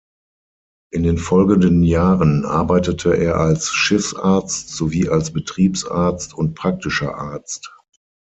In den folgenden Jahren arbeitete er als Schiffsarzt sowie als Betriebsarzt und praktischer Arzt.